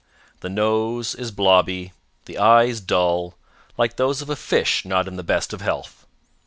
The nose is blobby, the eyes dull, like those of a fish not in the best of health.